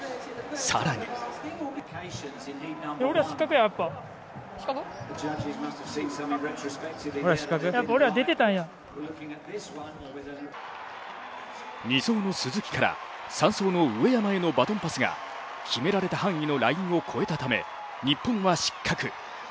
更に２走の鈴木から３走の上山へのバトンパスが決められた範囲のラインを越えたため日本は失格。